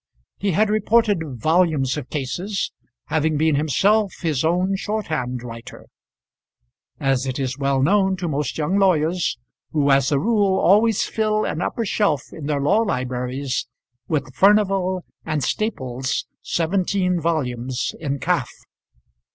He had reported volumes of cases, having been himself his own short hand writer, as it is well known to most young lawyers, who as a rule always fill an upper shelf in their law libraries with Furnival and Staples' seventeen volumes in calf.